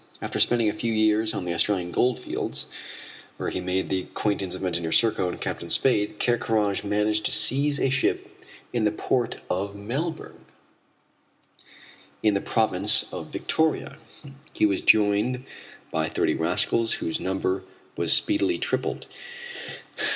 After spending a few years on the Australian goldfields, where he made the acquaintance of Engineer Serko and Captain Spade, Ker Karraje managed to seize a ship in the port of Melbourne, in the province of Victoria. He was joined by about thirty rascals whose number was speedily tripled.